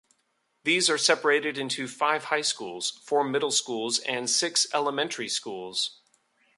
These are separated into five high schools, four middle schools, and six elementary schools.